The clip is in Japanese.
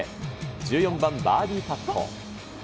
１４番バーディーパット。